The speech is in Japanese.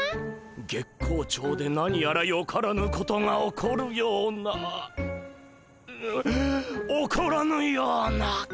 月光町で何やらよからぬことが起こるような起こらぬような。